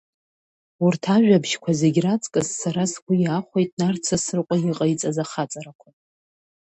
Урҭ ажәабжьқәа зегьы раҵкыс, сара сгәы иахәеит Нарҭ Сасрыҟәа иҟаиҵаз ахаҵарақәа.